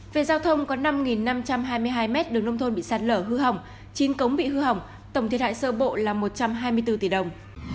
về giao thông có năm năm trăm hai mươi hai mét đường nông thôn bị sạt lở hư hỏng chín cống bị hư hỏng tổng thiệt hại sơ bộ là một trăm hai mươi bốn tỷ đồng